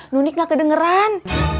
nunik gak kedengeran